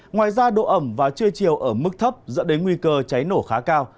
ngoài ra độ ẩm và trưa chiều ở mức thấp dẫn đến nguy cơ cháy nổ khá cao